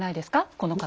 この方。